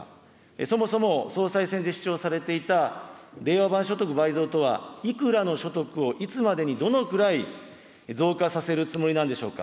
そもそも総裁選で主張されていた令和版所得倍増とは、いくらの所得をいつまでに、どのくらい増加させるつもりなんでしょうか。